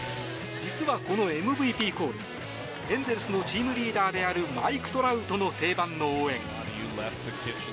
実はこのＭＶＰコールエンゼルスのチームリーダーであるマイク・トラウトの定番の応援。